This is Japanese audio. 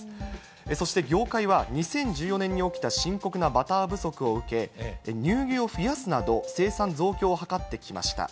そして業界は、２０１４年に起きた深刻なバター不足を受け、乳牛を増やすなど、生産増強を図ってきました。